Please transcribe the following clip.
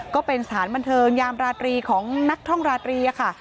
ก็เป็นสถานบันเทิงยามราตรีของนักท่องราตรีค่ะ